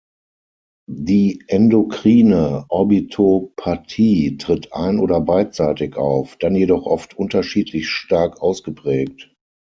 Die endokrine Orbitopathie tritt ein- oder beidseitig auf, dann jedoch oft unterschiedlich stark ausgeprägt.